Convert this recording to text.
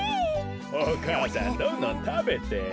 お母さんどんどんたべてよ。